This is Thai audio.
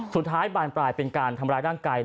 สุดท้ายบานปลายเป็นการทำร้ายร่างกาย